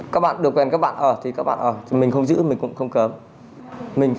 các bạn được quen các bạn ở thì các bạn ở mình không giữ mình cũng không cấm